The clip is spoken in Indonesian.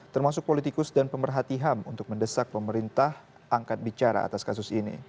termasuk politikus dan pemerhati ham untuk mendesak pemerintah angkat bicara atas kasus ini